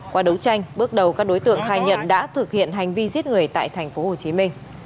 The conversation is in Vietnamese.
qua đấu tranh bước đầu các đối tượng khai nhận đã thực hiện hành vi giết người tại tp hcm